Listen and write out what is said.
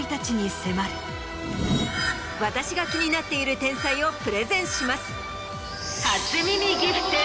私が気になっている天才をプレゼンします。